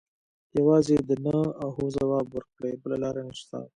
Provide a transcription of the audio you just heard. یوازې د نه او هو ځواب ورکړي بله لاره نشته.